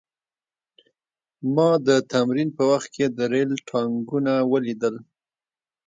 ما د تمرین په وخت کې د ریل ټانکونه ولیدل